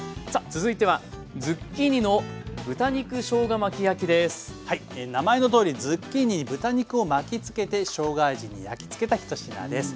続いては名前のとおりズッキーニに豚肉を巻きつけてしょうが味に焼きつけた１品です。